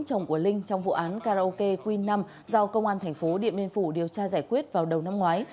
chồng của linh trong vụ án karaoke queen năm do công an thành phố điện biên phủ điều tra giải quyết vào đầu năm ngoái